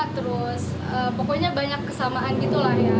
terus pokoknya banyak kesamaan gitu lah ya